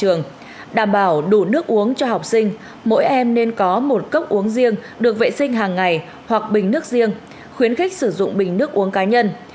trường đảm bảo đủ nước uống cho học sinh mỗi em nên có một cốc uống riêng được vệ sinh hàng ngày hoặc bình nước riêng khuyến khích sử dụng bình nước uống cá nhân